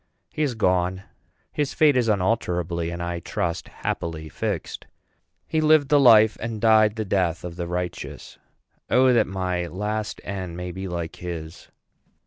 He is gone. His fate is unalterably, and I trust happily, fixed. He lived the life, and died the death, of the righteous. O that my last end may be like his!